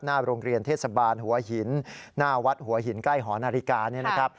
หน้าโรงเรียนเทศบาลหัวหินหน้าวัดหัวหินใกล้หอนาฬิกานี่นะครับ